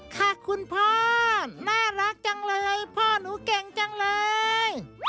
ค่ะคุณพ่อน่ารักจังเลยพ่อหนูเก่งจังเลย